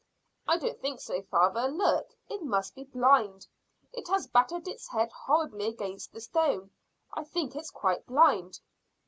"I don't think so, father. Look, it must be blind. It has battered its head horribly against the stone. I think it's quite blind."